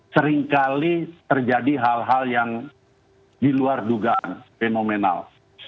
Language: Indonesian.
seringkali terjadi hal hal yang diluar dugaan fenomenal